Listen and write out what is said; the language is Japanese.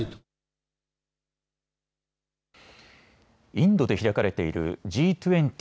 インドで開かれているＧ２０・